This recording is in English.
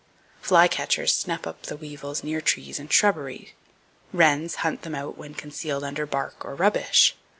Flycatchers snap up the weevils near trees and shrubbery. Wrens hunt them out when concealed under bark or rubbish.